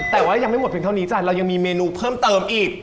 แต่ว่ายังไม่หมดเพียงเท่านี้จ้ะเรายังมีเมนูเพิ่มเติมอีก